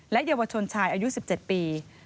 เยาวชนชายอายุ๑๗ปี